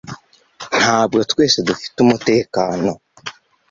ntabwo twese dufite umutekano